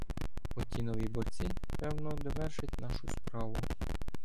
Оті нові борці, певно, довершать нашу справу.